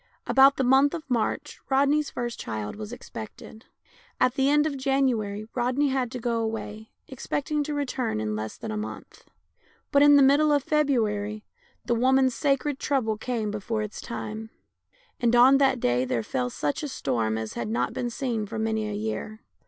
About the month of March Rodney's first child was expected. At the end of January Rodney had to go away, expect ing to return in less than a month. But, in the middle of February, the woman's sacred trouble came before its time. And on that day there fell such a storm as UNCLE JIM 197 had not been seen for many a year.